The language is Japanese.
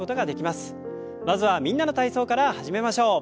まずは「みんなの体操」から始めましょう。